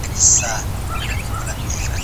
انسان که ټولنې ته ونه ګوري، ارام نه شي.